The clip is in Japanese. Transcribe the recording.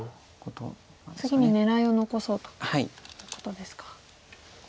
次に狙いを残そうということですか。